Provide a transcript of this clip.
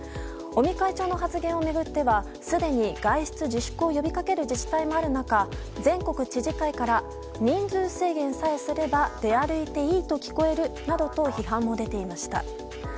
尾身会長の発言を巡ってはすでに外出自粛を呼びかける自治体もある中全国知事会から人数制限さえすれば出歩いていいと聞こえるなどと批判も出ていました。